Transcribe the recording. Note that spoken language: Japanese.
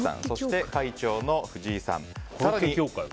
そして、会長の藤井さん